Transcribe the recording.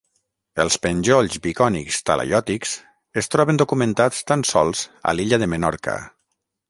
Els penjolls bicònics talaiòtics es troben documentats tan sols a l'illa de Menorca.